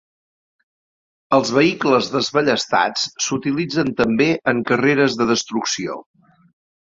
Els vehicles desballestats s'utilitzen també en carreres de destrucció.